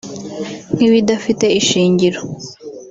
nk'ibidafite ishingiro